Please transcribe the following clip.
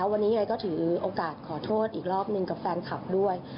แล้ววันนี้ถือโอกาสขอโทษอีกรอบนึงกับแฟนคลับด้วย